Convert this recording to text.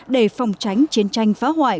để phòng tránh chiến tranh phá hoại